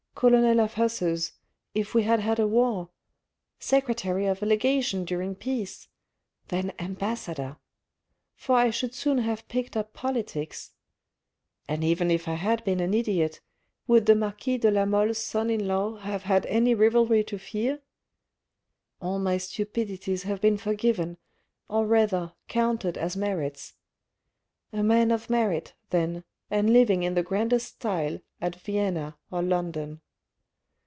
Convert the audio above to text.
Colonel of Hussars, if we had had a war : secretary of a legation during peace : then ambassador ... for I should soon have picked up politics ... and even if I had been an idiot, would the marquis de la Mole's son in law have had any rivalry to fear ? All my stupidities have been forgiven, or rather, counted as merits. A man of merit, then, and living in the grandest style at Vienna or London.